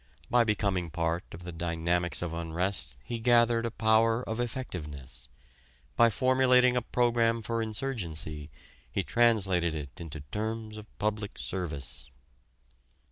By becoming part of the dynamics of unrest he gathered a power of effectiveness: by formulating a program for insurgency he translated it into terms of public service.